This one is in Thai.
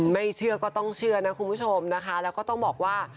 ไม่เชื่อก็ต้องเชื่อนะคุณผู้ชมนะคะแล้วก็ต้องบอกว่า